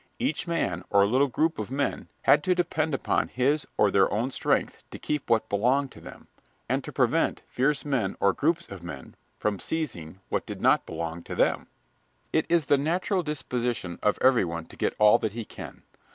Each man or little group of men had to depend upon his or their own strength to keep what belonged to them, and to prevent fierce men or groups of men from seizing what did not belong to them. It is the natural disposition of everyone to get all that he can.